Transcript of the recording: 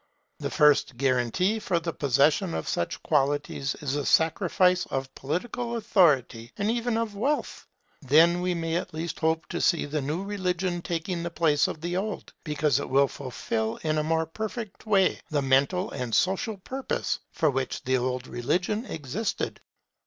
The first guarantee for the possession of such qualities is the sacrifice of political authority and even of wealth. Then we may at least hope to see the new religion taking the place of the old, because it will fulfil in a more perfect way the mental and social purposes for which the old religion existed.